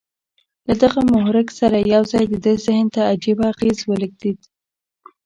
له دغه محرک سره یو ځای د ده ذهن ته عجيبه اغېز ولېږدېد